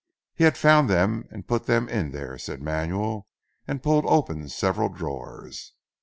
"He had found them and put them in there," said Manuel and pulled open several drawers.